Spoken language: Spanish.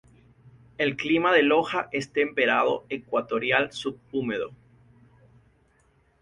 El clima de Loja es temperado-ecuatorial subhúmedo.